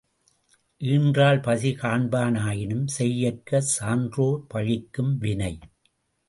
ஈன்றாள் பசி காண்பா னாயினும் செய்யற்க சான்றோர் பழிக்கும் வினை.